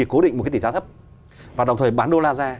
cố định một tỷ giá thấp và đồng thời bán đô la ra